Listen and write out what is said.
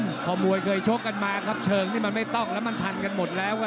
พอมวยเคยชกกันมาครับเชิงนี่มันไม่ต้องแล้วมันพันกันหมดแล้วไง